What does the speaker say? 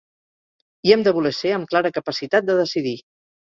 Hi hem de voler ser amb clara capacitat de decidir.